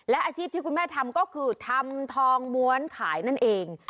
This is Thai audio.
และอาชีพที่คุณแม่ทำก็คือทำทองม้วนขายนั่นเอง